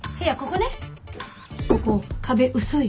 ここ壁薄い。